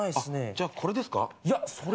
じゃあこれですか？